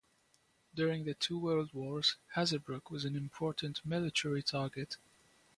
During the two world wars Hazebrouck was an important military target.